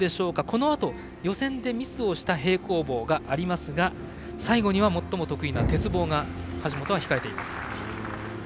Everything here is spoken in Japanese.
このあと予選でミスをした平行棒がありますが最後には最も得意な鉄棒が橋本は控えています。